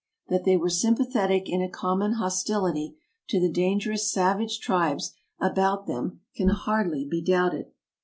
That they were sympathetic in a common hostility to the dangerous savage tribes about 60 TRAVELERS AND EXPLORERS them can hardly be doubted.